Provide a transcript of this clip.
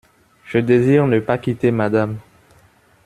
Je désire ne pas quitter Madame.